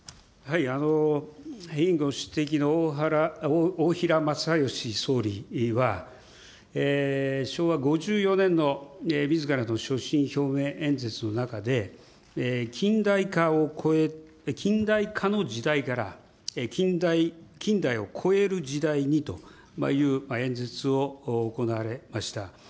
委員ご指摘の大平正芳総理は、昭和５４年のみずからの所信表明演説の中で、近代化の時代から近代を超える時代にという演説を行われました。